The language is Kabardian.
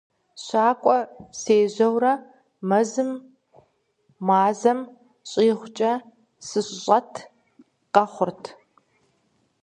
ЩакӀуэ сежьэурэ, мэзым мазэм щӀигъукӀэ сыщыщӀэт къэхъурт.